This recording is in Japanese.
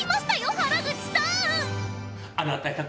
原口さん！